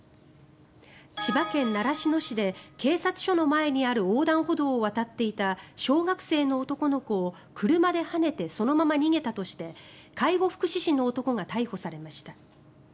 千葉県習志野市で警察署の前にある横断歩道を渡っていた小学生の男の子を車ではねてそのまま逃げたとして介護福祉士の男が逮捕されました。